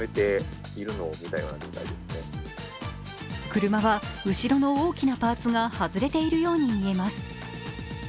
車は後ろの大きなパーツが外れているように見えます。